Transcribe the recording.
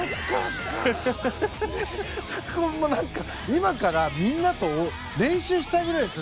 今からみんなと練習したいぐらいです。